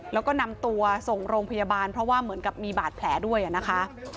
แล้วก็นำตัวส่งโรงพยาบาลเพราะว่าเหมือนกับมีบาดแผลด้วยนะคะ